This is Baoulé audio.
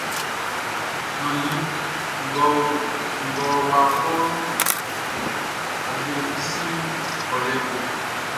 Nannin ngʼɔ́ wá kɔ́ʼn, ɔ bo i sin kɔlɛ bo.